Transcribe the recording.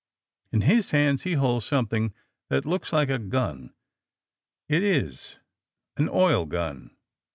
In his hands, he holds something that looks like a gun. It is an oil gun.